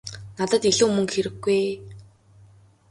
Надад илүү мөнгө хэрэггүй ээ.